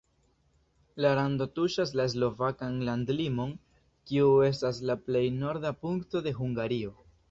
La rando tuŝas la slovakan landlimon, kiu estas la plej norda punkto de Hungario.